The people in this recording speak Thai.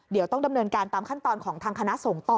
เดี๋ยวต้องดำเนินการตามขั้นตอนของทางคณะสงฆ์ต่อ